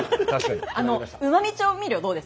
うまみ調味料どうですか？